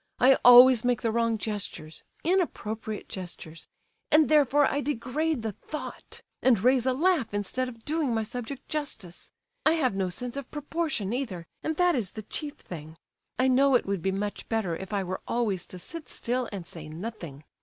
I always make the wrong gestures—inappropriate gestures—and therefore I degrade the Thought, and raise a laugh instead of doing my subject justice. I have no sense of proportion either, and that is the chief thing. I know it would be much better if I were always to sit still and say nothing.